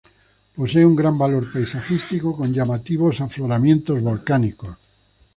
Posee un gran valor paisajístico, con llamativos afloramientos volcánicos.